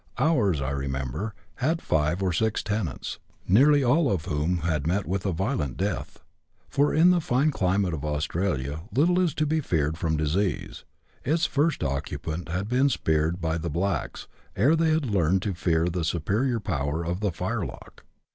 Ours, I remember, had five or six tenants, nearly all of whom had met with a violent death ; for in the fine climate of Australia little is to be feared from disease. Its first occupant had been speared by the blacks, ere they had learned to fear the superior power of the firelock.